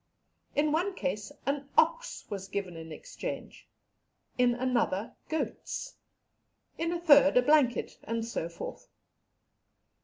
In one case an ox was given in exchange, in another goats, in a third a blanket, and so forth.